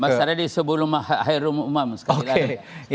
mas taredy sebelum mahir umum sekali lagi